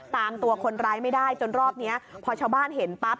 ตามตัวคนร้ายไม่ได้จนรอบนี้พอชาวบ้านเห็นปั๊บ